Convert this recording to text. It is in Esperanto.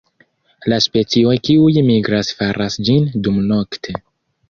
La specioj kiuj migras faras ĝin dumnokte.